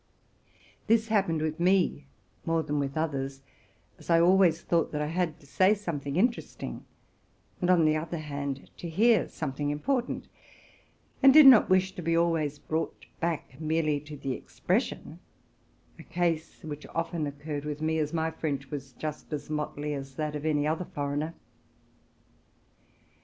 This happened with me more than with others; as I always thought that I had to say something interesting, and, on the other' hand, to hear something important, and did not wish to be always brought back merely to the expression, — a case which often occurred with me, as my French was just as motley as that of any other foreigner.